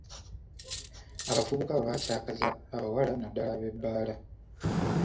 Abavubuka baakyakaza abawala, naddala ab'ebbaala.